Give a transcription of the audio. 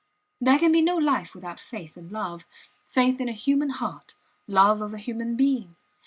There can be no life without faith and love faith in a human heart, love of a human being!